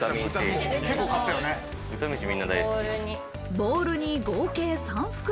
ボウルに合計３袋。